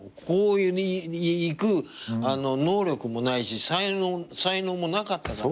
こういく能力もないし才能もなかった。